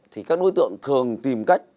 thì các đối tượng thường tìm cách